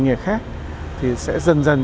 là cơ sở cho việc đẩy mạnh